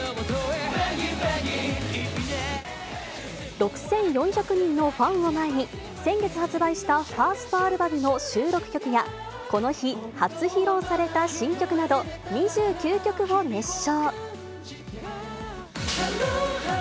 ６４００人のファンを前に、先月発売したファーストアルバムの収録曲や、この日、初披露された新曲など、２９曲を熱唱。